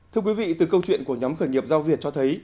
thưa quý vị từ câu chuyện của nhóm khởi nghiệp giao việt cho thấy